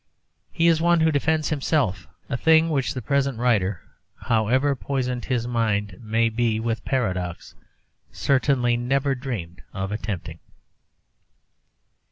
He is one who defends himself, a thing which the present writer, however poisoned his mind may be with paradox, certainly never dreamed of attempting.